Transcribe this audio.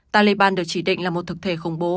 taliban được chỉ định là một thực thể khủng bố